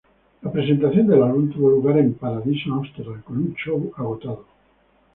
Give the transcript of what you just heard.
La presentación del álbum tuvo lugar en Paradiso, Amsterdam con un show agotado.